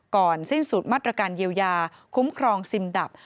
ก่อนสิ้นสุดมาตรการเยียวยาคุ้มครองซิมดับ